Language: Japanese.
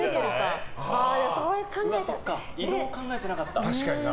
移動を考えてなかった。